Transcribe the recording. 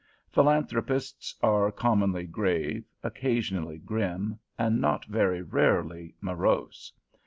Philanthropists are commonly grave, occasionally grim, and not very rarely morose.